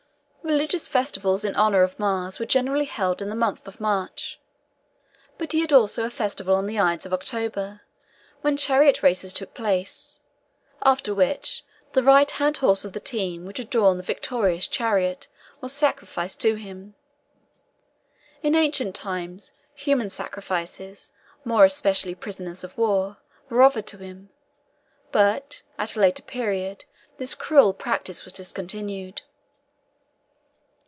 Religious festivals in honour of Mars were generally held in the month of March; but he had also a festival on the Ides of October, when chariot races took place, after which, the right hand horse of the team which had drawn the victorious chariot, was sacrificed to him. In ancient times, human sacrifices, more especially prisoners of war, were offered to him; but, at a later period, this cruel practice was discontinued.